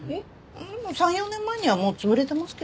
３４年前にはもう潰れてますけど。